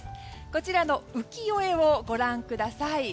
こちらの浮世絵をご覧ください。